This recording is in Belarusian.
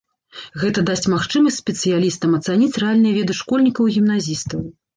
Гэта дасць магчымасць спецыялістам ацаніць рэальныя веды школьнікаў і гімназістаў.